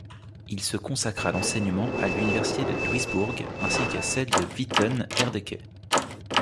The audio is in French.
Il se consacre à l'enseignement à l'université de Duisburg ainsi que celle de Witten-Herdecke.